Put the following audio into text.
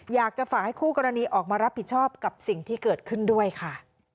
อยากจะฝากให้คู่กรณีออกมารับผิดชอบกับสิ่งที่เกิดขึ้นด้วยค่ะ